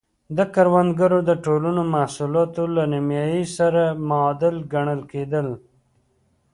د کروندګرو د ټولو محصولاتو له نییمایي سره معادل ګڼل کېدل.